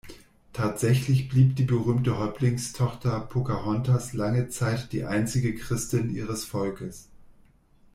Tatsächlich blieb die berühmte Häuptlingstochter Pocahontas lange Zeit die einzige Christin ihres Volkes.